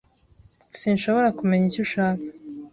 Sinshobora kumenya icyo ashaka.